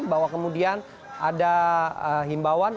bahwa kemudian ada himbawan untuk